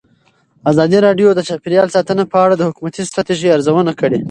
ازادي راډیو د چاپیریال ساتنه په اړه د حکومتي ستراتیژۍ ارزونه کړې.